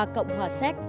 cộng hòa séc